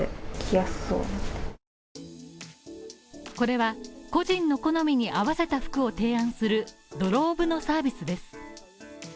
これは個人の好みに合わせた服を提案するＤＲＯＢＥのサービスです。